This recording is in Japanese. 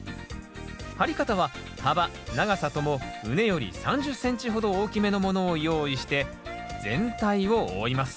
張り方は幅長さとも畝より３０ｃｍほど大きめのものを用意して全体を覆います。